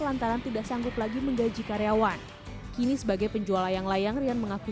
lantaran tidak sanggup lagi menggaji karyawan kini sebagai penjual layang layang rian mengaku